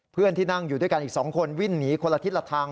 เพื่อนที่นั่งอยู่ด้วยกันอีก๒คนวิ่งหนีคนละทิศละทาง